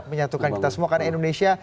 menyatukan kita semua karena indonesia